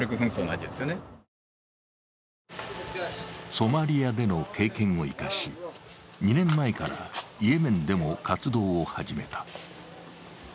ソマリアでの経験を生かし、２年前からイエメンでも活動を始めた。